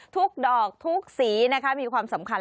ทุกดอกทุกสีมีความสำคัญ